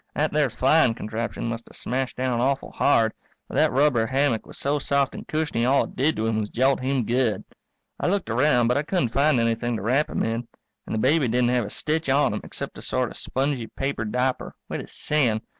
That there flying contraption must have smashed down awful hard, but that rubber hammock was so soft and cushiony all it did to him was jolt him good. I looked around but I couldn't find anything to wrap him in. And the baby didn't have a stitch on him except a sort of spongy paper diaper, wet as sin.